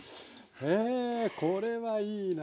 へえこれはいいなあ。